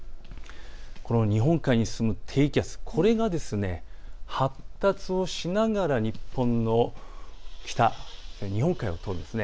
この日本海に進む低気圧これが発達をしながら日本の北、日本海を通るんです。